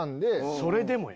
それでもや！